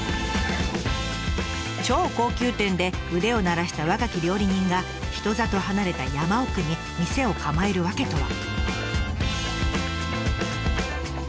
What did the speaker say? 超高級店で腕を鳴らした若き料理人が人里離れた山奥に店を構える訳とは。